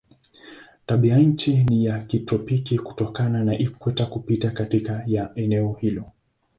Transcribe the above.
Tabianchi ni ya kitropiki kutokana na ikweta kupita katikati ya eneo hilo.